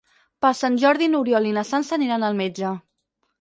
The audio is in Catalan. Per Sant Jordi n'Oriol i na Sança aniran al metge.